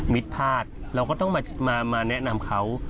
มิดพลาดเราก็ต้องมาแนะนำเขา